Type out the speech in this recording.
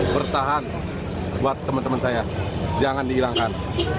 bertahan buat teman teman saya jangan dihilangkan